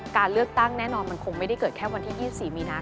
การเลือกตั้งแน่นอนมันคงไม่ได้เกิดแค่วันที่๒๔มีนาค